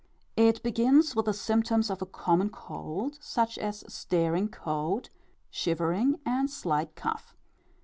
It begins with the symptoms of a common cold, such as staring coat, shivering, and slight cough.